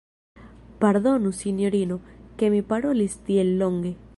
Pardonu, sinjorino, ke mi parolis tiel longe.